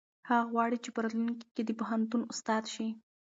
هغه غواړي چې په راتلونکي کې د پوهنتون استاد شي.